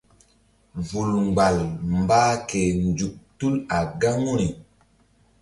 Vul mgbal mbah ke nzuk tul a gaŋu ri.